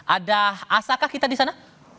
ada asakah kita di sana